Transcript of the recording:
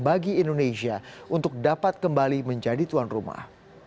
bagi indonesia untuk dapat kembali menjadi tuan rumah